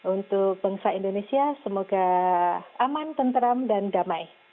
untuk bangsa indonesia semoga aman tenteram dan damai